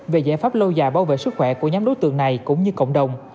về giải pháp lâu dài bảo vệ sức khỏe của nhóm đối tượng này cũng như cộng đồng